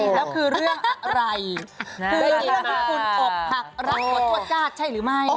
เลยคือเรื่องคุณขอบถักรักของตัวจาตร์ใช่หรือไม่